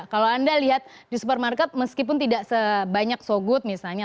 kalau anda lihat di supermarket meskipun tidak sebanyak sogut misalnya